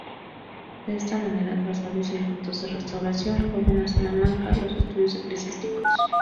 De esta manera, tras varios intentos de restauración, vuelven a Salamanca los Estudios Eclesiásticos.